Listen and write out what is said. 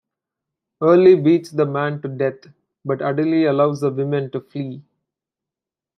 Early beats the man to death, but Adele allows the woman to flee.